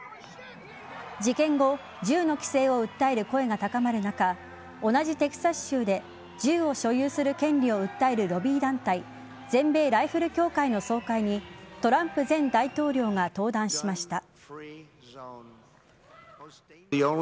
事件後銃の規制を訴える声が高まる中同じテキサス州で銃を所有する権利を訴えるロビー団体全米ライフル協会の総会にトランプ前大統領が登壇しました。